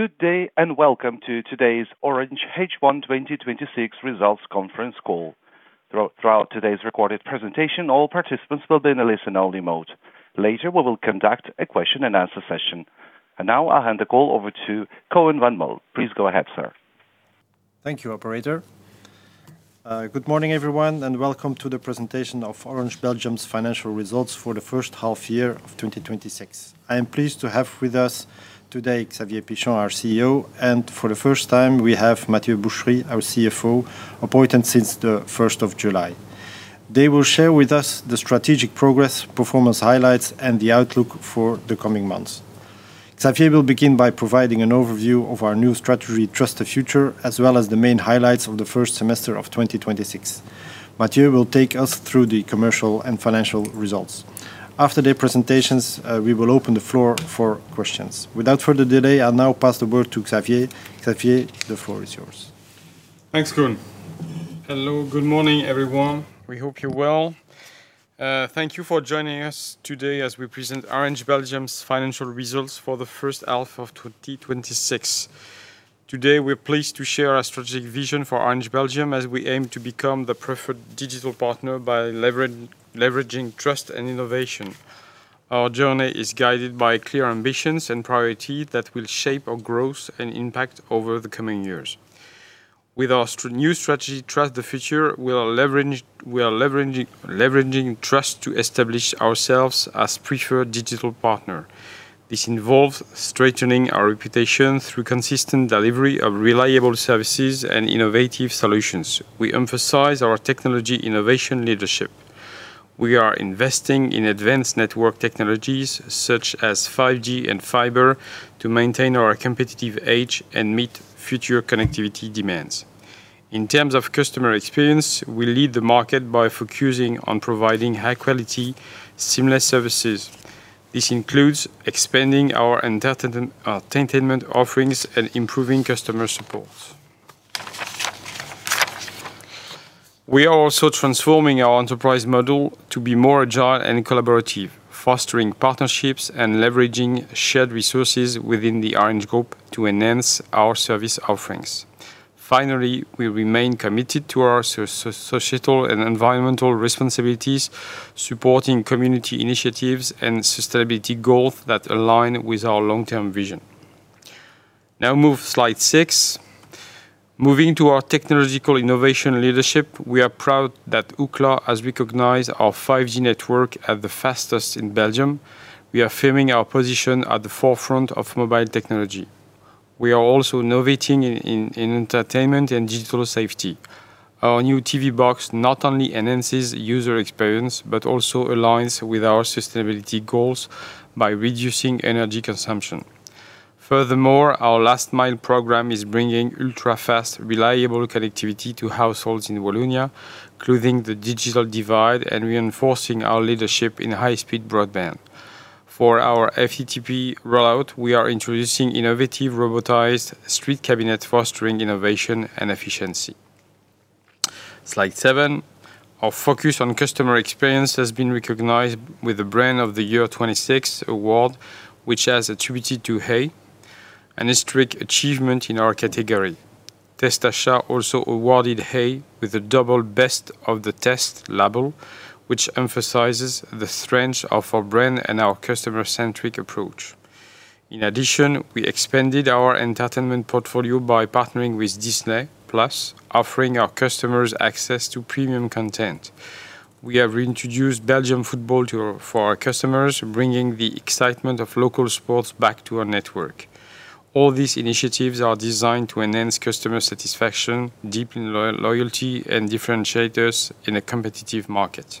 Good day, welcome to today's Orange H1 2026 results conference call. Throughout today's recorded presentation, all participants will be in a listen-only mode. Later, we will conduct a question-and-answer session. I'll hand the call over to Koen Van Mol. Please go ahead, sir. Thank you, operator. Good morning, everyone, welcome to the presentation of Orange Belgium's financial results for the first half year of 2026. I am pleased to have with us today Xavier Pichon, our CEO, for the first time, we have Matthieu Bouchery, our CFO, appointed since the 1st of July. They will share with us the strategic progress, performance highlights, the outlook for the coming months. Xavier will begin by providing an overview of our new strategy, Trust the Future, as well as the main highlights of the first semester of 2026. Matthieu will take us through the commercial and financial results. After their presentations, we will open the floor for questions. Without further delay, I'll now pass the floor to Xavier. Xavier, the floor is yours. Thanks, Koen. Hello. Good morning, everyone. We hope you're well. Thank you for joining us today as we present Orange Belgium's financial results for the first half of 2026. Today, we're pleased to share our strategic vision for Orange Belgium as we aim to become the preferred digital partner by leveraging trust and innovation. Our journey is guided by clear ambitions and priorities that will shape our growth and impact over the coming years. With our new strategy, Trust the Future, we are leveraging trust to establish ourselves as preferred digital partner. This involves strengthening our reputation through consistent delivery of reliable services and innovative solutions. We emphasize our technology innovation leadership. We are investing in advanced network technologies such as 5G and fiber to maintain our competitive edge and meet future connectivity demands. In terms of customer experience, we lead the market by focusing on providing high-quality, seamless services. This includes expanding our entertainment offerings and improving customer support. We are also transforming our enterprise model to be more agile and collaborative, fostering partnerships and leveraging shared resources within the Orange Group to enhance our service offerings. We remain committed to our societal and environmental responsibilities, supporting community initiatives and sustainability goals that align with our long-term vision. Move to slide six. Moving to our technological innovation leadership, we are proud that Ookla has recognized our 5G network as the fastest in Belgium. We are firming our position at the forefront of mobile technology. We are also innovating in entertainment and digital safety. Our new TV box not only enhances user experience but also aligns with our sustainability goals by reducing energy consumption. Furthermore, our Last Mile program is bringing ultrafast, reliable connectivity to households in Wallonia, closing the digital divide and reinforcing our leadership in high-speed broadband. For our FTTP rollout, we are introducing innovative robotized street cabinets, fostering innovation and efficiency. Slide seven. Our focus on customer experience has been recognized with the Brand of the Year 2026 award, which was attributed to hey!, an historic achievement in our category. Testaankoop also awarded hey! with a double Best of the Test label, which emphasizes the strength of our brand and our customer-centric approach. In addition, we expanded our entertainment portfolio by partnering with Disney+, offering our customers access to premium content. We have reintroduced Belgian football for our customers, bringing the excitement of local sports back to our network. All these initiatives are designed to enhance customer satisfaction, deepen loyalty, and differentiate us in a competitive market.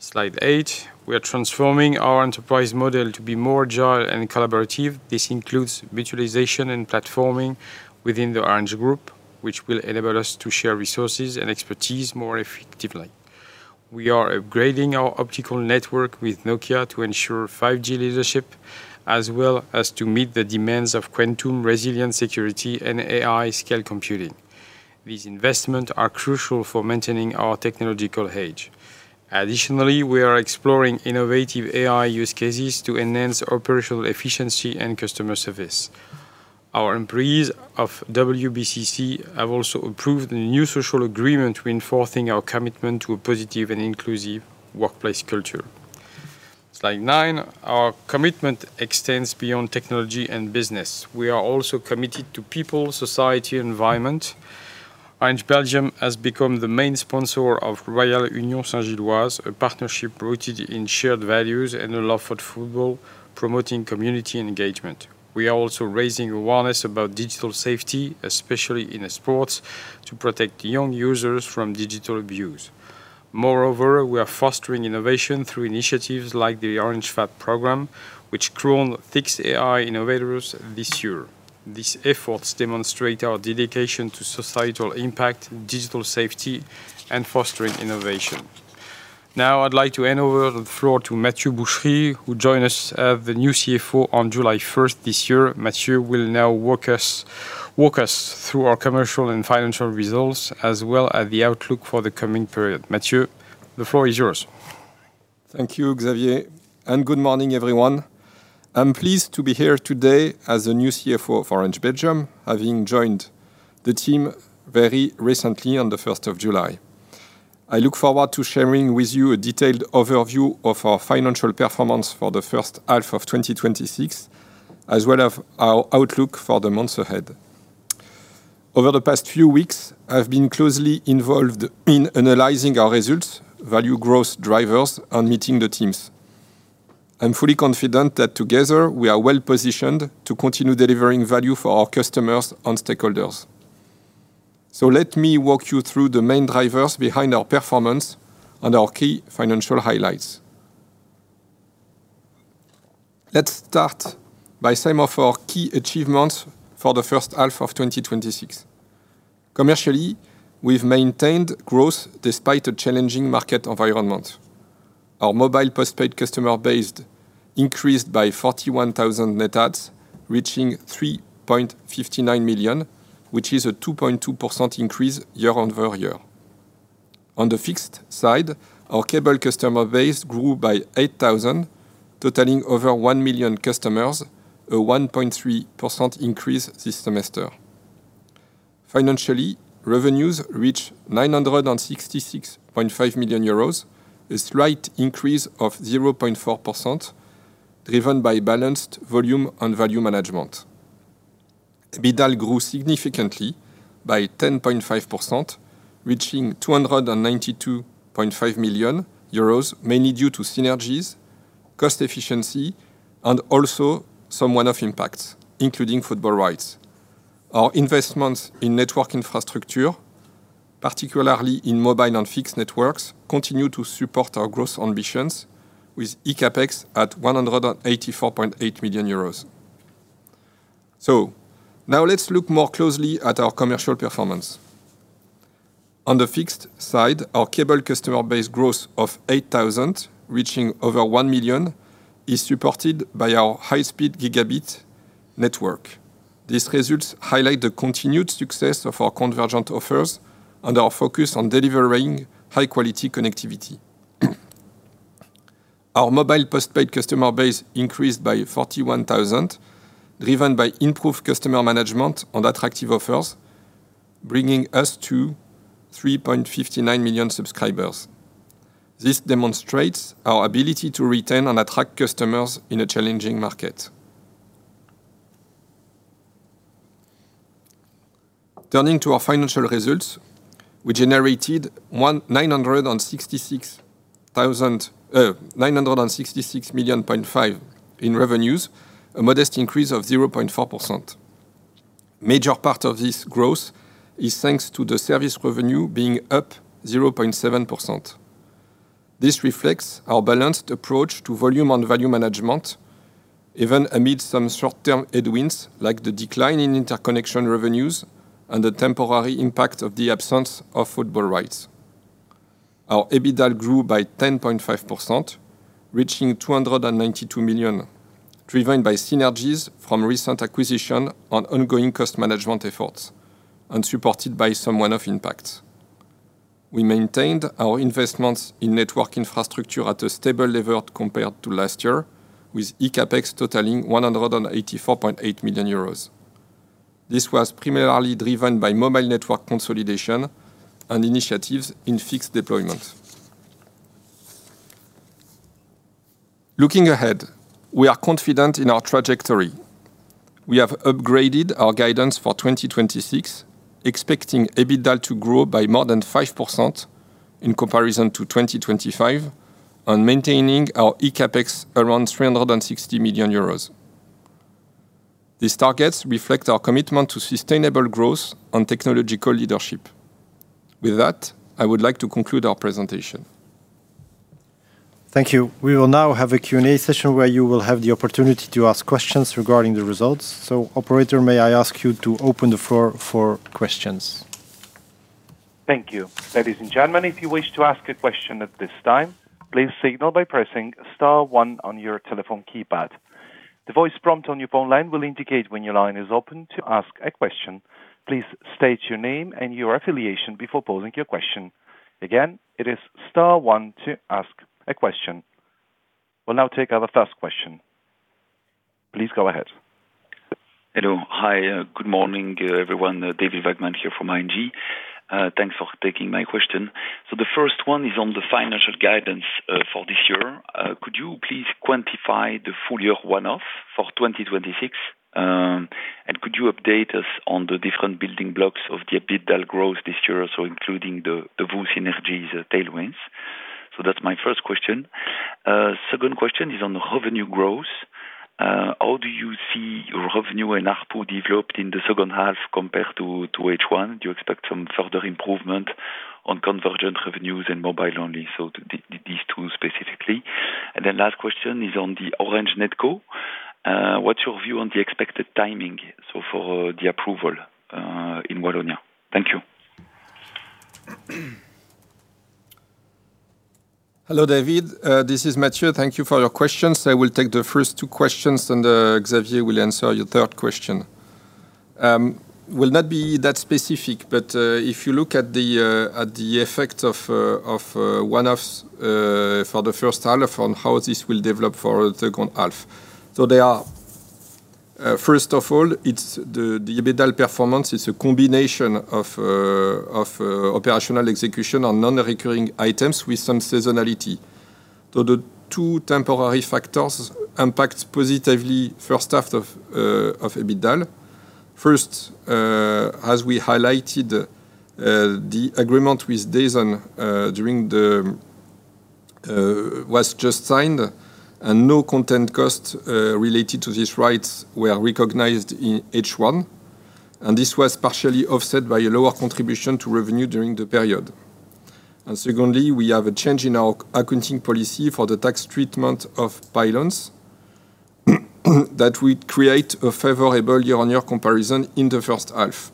Slide eight. We are transforming our enterprise model to be more agile and collaborative. This includes virtualization and platforming within the Orange Group, which will enable us to share resources and expertise more effectively. We are upgrading our optical network with Nokia to ensure 5G leadership as well as to meet the demands of quantum-resilient security and AI scale computing. These investments are crucial for maintaining our technological edge. Additionally, we are exploring innovative AI use cases to enhance operational efficiency and customer service. Our employees of WBCC have also approved the new social agreement reinforcing our commitment to a positive and inclusive workplace culture. Slide nine. Our commitment extends beyond technology and business. We are also committed to people, society, and environment. Orange Belgium has become the main sponsor of Royale Union Saint-Gilloise, a partnership rooted in shared values and a love for football, promoting community engagement. We are also raising awareness about digital safety, especially in esports, to protect young users from digital abuse. Moreover, we are fostering innovation through initiatives like the Orange Fab program, which crowned six AI innovators this year. These efforts demonstrate our dedication to societal impact, digital safety, and fostering innovation. Now I'd like to hand over the floor to Matthieu Bouchery, who joined us as the new CFO on July 1st this year. Matthieu will now walk us through our commercial and financial results as well as the outlook for the coming period. Matthieu, the floor is yours. Thank you, Xavier, and good morning everyone. I'm pleased to be here today as the new CFO of Orange Belgium, having joined the team very recently on the 1st of July. I look forward to sharing with you a detailed overview of our financial performance for the first half of 2026, as well as our outlook for the months ahead. Over the past few weeks, I've been closely involved in analyzing our results, value growth drivers, and meeting the teams. Let me walk you through the main drivers behind our performance and our key financial highlights. Let's start by some of our key achievements for the first half of 2026. Commercially, we've maintained growth despite a challenging market environment. Our mobile postpaid customer base increased by 41,000 net adds, reaching 3.59 million, which is a 2.2% increase year-over-year. On the fixed side, our cable customer base grew by 8,000, totaling over 1 million customers, a 1.3% increase this semester. Financially, revenues reach 966.5 million euros, a slight increase of 0.4%, driven by balanced volume and value management. EBITDA grew significantly by 10.5%, reaching 292.5 million euros, mainly due to synergies, cost efficiency, and also some one-off impacts, including football rights. Our investments in network infrastructure, particularly in mobile and fixed networks, continue to support our growth ambitions with eCapex at 184.8 million euros. Now let's look more closely at our commercial performance. On the fixed side, our cable customer base growth of 8,000, reaching over 1 million, is supported by our high-speed gigabit network. These results highlight the continued success of our convergent offers and our focus on delivering high-quality connectivity. Our mobile postpaid customer base increased by 41,000, driven by improved customer management and attractive offers, bringing us to 3.59 million subscribers. This demonstrates our ability to retain and attract customers in a challenging market. Turning to our financial results, we generated 966.5 million in revenues, a modest increase of 0.4%. Major part of this growth is thanks to the service revenue being up 0.7%. This reflects our balanced approach to volume and value management, even amid some short-term headwinds like the decline in interconnection revenues and the temporary impact of the absence of football rights. Our EBITDA grew by 10.5%, reaching 292 million, driven by synergies from recent acquisition on ongoing cost management efforts and supported by some one-off impacts. We maintained our investments in network infrastructure at a stable level compared to last year, with eCapex totaling 184.8 million euros. This was primarily driven by mobile network consolidation and initiatives in fixed deployment. Looking ahead, we are confident in our trajectory. We have upgraded our guidance for 2026, expecting EBITDA to grow by more than 5% in comparison to 2025, and maintaining our eCapex around 360 million euros. These targets reflect our commitment to sustainable growth and technological leadership. With that, I would like to conclude our presentation. Thank you. We will now have a Q&A session where you will have the opportunity to ask questions regarding the results. Operator, may I ask you to open the floor for questions? Thank you. Ladies and gentlemen, if you wish to ask a question at this time, please signal by pressing star one on your telephone keypad. The voice prompt on your phone line will indicate when your line is open to ask a question. Please state your name and your affiliation before posing your question. Again, it is star one to ask a question. We will now take our first question. Please go ahead. Hello. Hi, good morning, everyone. David Wagman here from ING. Thanks for taking my question. The first one is on the financial guidance for this year. Could you please quantify the full year one-off for 2026? Could you update us on the different building blocks of the EBITDA growth this year, including the VOO synergy tailwinds? That is my first question. Second question is on revenue growth. How do you see revenue and ARPU developed in the second half compared to H1? Do you expect some further improvement on convergent revenues and mobile only? These two specifically. Last question is on the Orange NetCo. What is your view on the expected timing for the approval in Wallonia? Thank you. Hello, David. This is Matthieu. Thank you for your questions. I will take the first two questions, Xavier will answer your third question. I will not be that specific, but if you look at the effect of one-offs for the first half on how this will develop for the second half. First of all, the EBITDA performance is a combination of operational execution on non-recurring items with some seasonality. The two temporary factors impact positively first half of EBITDA. First, as we highlighted, the agreement with DAZN was just signed, and no content costs related to these rights were recognized in H1. This was partially offset by a lower contribution to revenue during the period. Secondly, we have a change in our accounting policy for the tax treatment of balance that will create a favorable year-on-year comparison in the first half.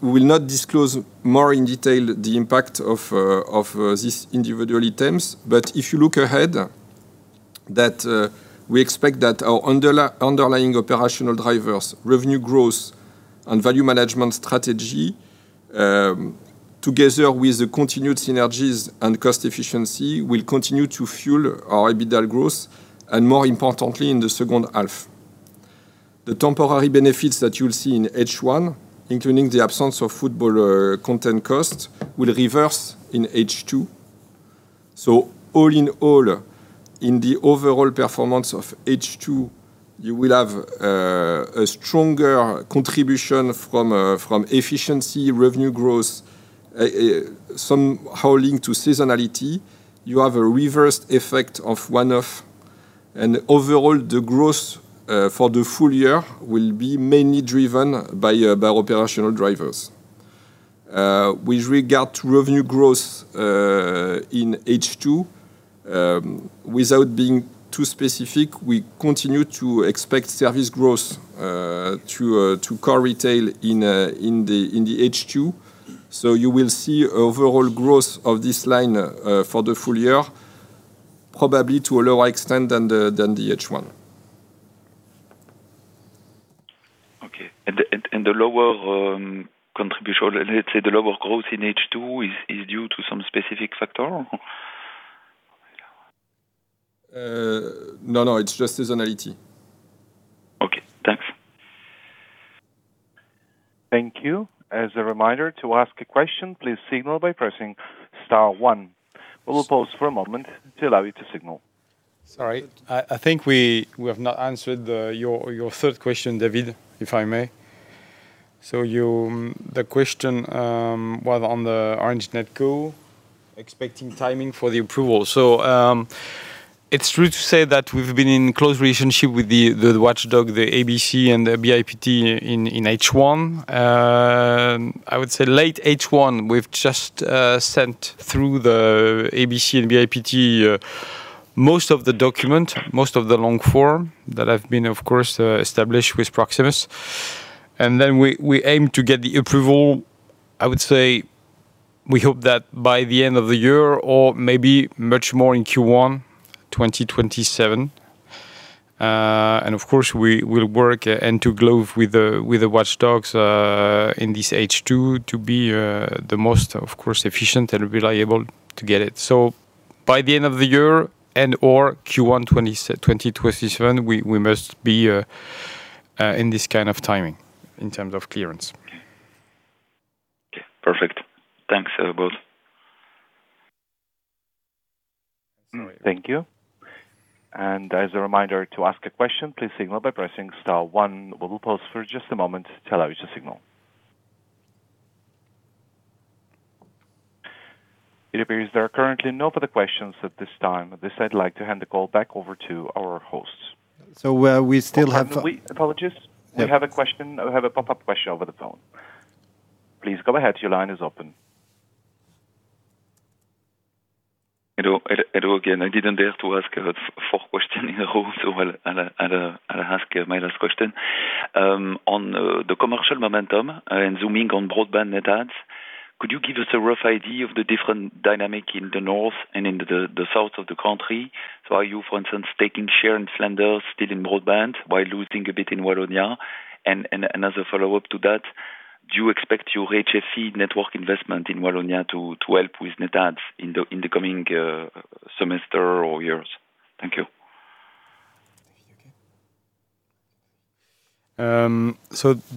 We will not disclose more in detail the impact of these individual items. If you look ahead, we expect that our underlying operational drivers, revenue growth, and value management strategy, together with the continued synergies and cost efficiency, will continue to fuel our EBITDA growth, and more importantly, in the second half. The temporary benefits that you will see in H1, including the absence of football content cost, will reverse in H2. All in all, in the overall performance of H2, you will have a stronger contribution from efficiency revenue growth, somehow linked to seasonality. You have a reversed effect of one-off. Overall, the growth for the full year will be mainly driven by operational drivers. With regard to revenue growth in H2, without being too specific, we continue to expect service growth to core retail in the H2. You will see overall growth of this line for the full year, probably to a lower extent than the H1. Okay. The lower contribution, let's say the lower growth in H2 is due to some specific factor? No, it's just seasonality. Okay, thanks. Thank you. As a reminder, to ask a question, please signal by pressing star one. We will pause for a moment to allow you to signal. Sorry, I think we have not answered your third question, David, if I may. The question was on the Orange NetCo expecting timing for the approval. It's true to say that we've been in close relationship with the watchdog, the BCA and the BIPT in H1. I would say late H1, we've just sent through the BCA and BIPT most of the document, most of the long form that have been, of course, established with Proximus. We aim to get the approval, I would say we hope that by the end of the year or maybe much more in Q1 2027. Of course, we will work hand to glove with the watchdogs in this H2 to be the most, of course, efficient and reliable to get it. By the end of the year and/or Q1 2027, we must be in this kind of timing in terms of clearance. Okay, perfect. Thanks, both. Thank you. As a reminder, to ask a question, please signal by pressing star one. We will pause for just a moment to allow you to signal. It appears there are currently no further questions at this time. With this, I'd like to hand the call back over to our host. We still have. Hold on. Apologies. Yeah. We have a pop-up question over the phone. Please go ahead. Your line is open. Hello again. I didn't dare to ask four question in a row, I'll ask my last question. On the commercial momentum and zooming on broadband net adds, could you give us a rough idea of the different dynamic in the north and in the south of the country? Are you, for instance, taking share in Flanders still in broadband while losing a bit in Wallonia? As a follow-up to that, do you expect your HFC network investment in Wallonia to help with net adds in the coming semester or years? Thank you.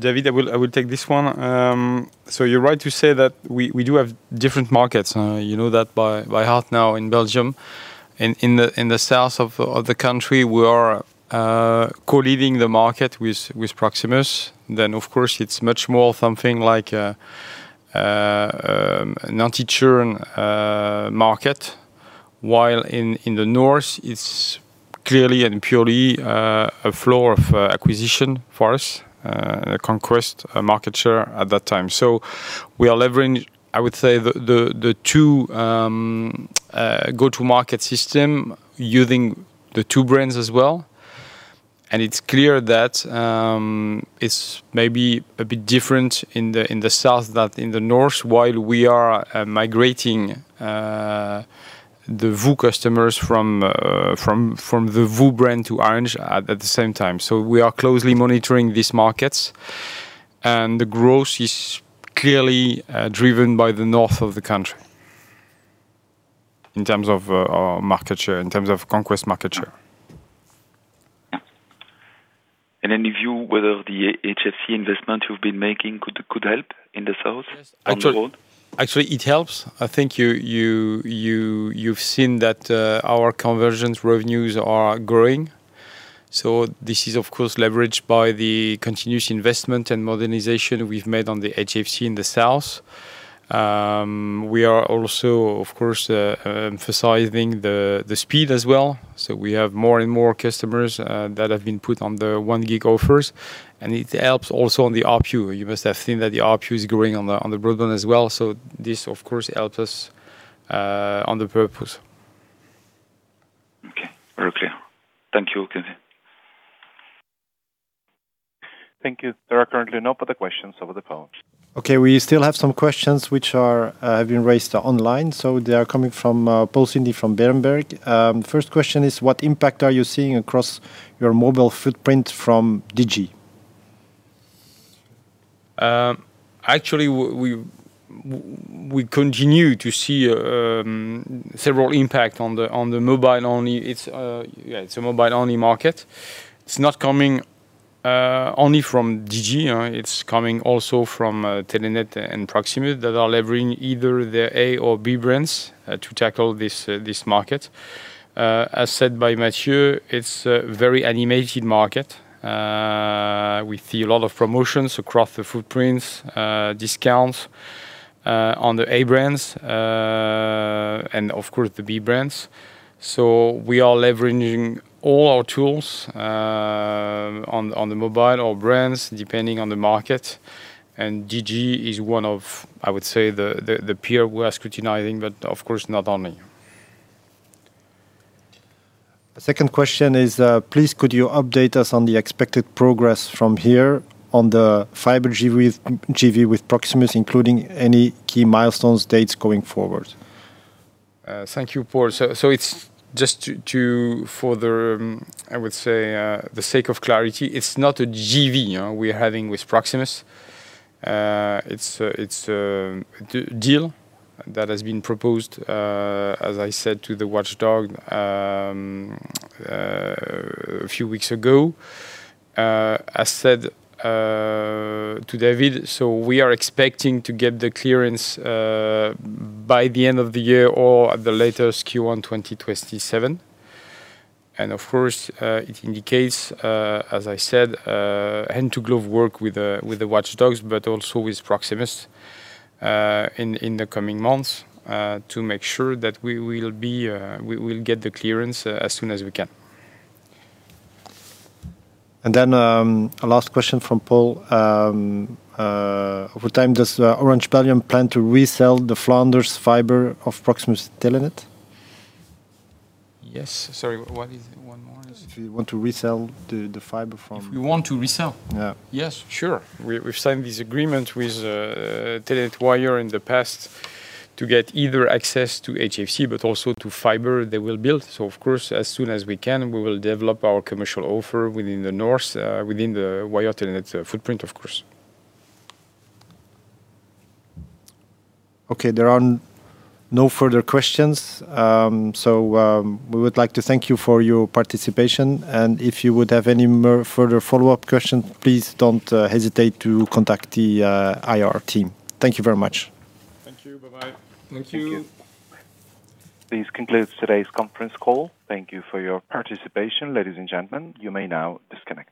David, I will take this one. You're right to say that we do have different markets. You know that by heart now in Belgium. In the south of the country, we are co-leading the market with Proximus. Of course, it's much more something like an anti-churn market. While in the north, it's clearly and purely a flow of acquisition for us, a conquest market share at that time. We are leveraging, I would say, the two go-to market system using the two brands as well. It's clear that it's maybe a bit different in the South than in the North while we are migrating the VOO customers from the VOO brand to Orange at the same time. We are closely monitoring these markets. The growth is clearly driven by the north of the country in terms of our market share, in terms of conquest market share. Any view whether the HFC investment you've been making could help in the south on the road? Actually, it helps. I think you've seen that our convergent service revenues are growing. This is, of course, leveraged by the continuous investment and modernization we've made on the HFC in the south. We are also, of course, emphasizing the speed as well. We have more and more customers that have been put on the one gig offers, and it helps also on the ARPU. You must have seen that the ARPU is growing on the broadband as well. This, of course, helps us on the ARPU. Okay. Very clear. Thank you. Okay. Thank you. There are currently no further questions over the phone. Okay, we still have some questions which have been raised online. They are coming from Paul Sidney from Berenberg. First question is, what impact are you seeing across your mobile footprint from Digi? We continue to see several impact on the mobile-only. It's a mobile-only market. It's not coming only from Digi. It's coming also from Telenet and Proximus that are leveraging either their A or B brands to tackle this market. As said by Matthieu, it's a very animated market. We see a lot of promotions across the footprints, discounts on the A brands and of course the B brands. We are leveraging all our tools on the mobile, all brands, depending on the market. Digi is one of, I would say, the peer we are scrutinizing, but of course not only. The second question is please could you update us on the expected progress from here on the fiber JV with Proximus, including any key milestones, dates going forward? Thank you, Paul. It's just for the, I would say, the sake of clarity, it's not a JV we're having with Proximus. It's a deal that has been proposed, as I said to the watchdog a few weeks ago. As said to David, we are expecting to get the clearance by the end of the year or at the latest Q1 2027. Of course, it indicates as I said, hand to glove work with the watchdogs, but also with Proximus in the coming months to make sure that we will get the clearance as soon as we can. A last question from Paul. Over time, does Orange Belgium plan to resell the Flanders fiber of Proximus Telenet? Yes. Sorry, what is one more? If you want to resell the fiber from. If we want to resell? Yeah. Yes, sure. We've signed this agreement with Telenet Wyre in the past to get either access to HFC but also to fiber they will build. Of course, as soon as we can, we will develop our commercial offer within the north, within the Wyre Telenet footprint, of course. There are no further questions. We would like to thank you for your participation, and if you would have any more further follow-up questions, please don't hesitate to contact the IR team. Thank you very much. Thank you. Bye-bye. Thank you. This concludes today's conference call. Thank you for your participation, ladies and gentlemen. You may now disconnect.